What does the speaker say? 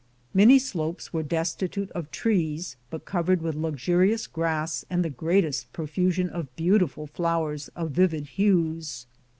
Many slopes were destitute of trees but covered with luxuri ant grass and thegreatest profusion of beautiful flowers of vivid hues.